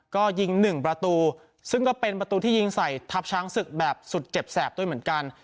ก็ยิง๑ประตูซึ่งก็เป็นประตูที่ยิงใส่ทัพช้างศึกแบบสุดเจ็บแสบด้วยเหมือนกัน